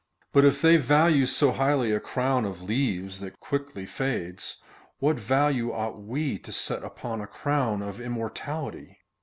But if they value so highly a crown of leaves that quickly fades, what value ought we to set upon a crown of immortality